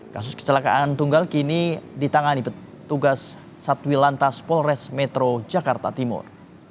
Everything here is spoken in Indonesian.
kasus kecelakaan tunggal kini ditangani petugas satwi lantas polres metro jakarta timur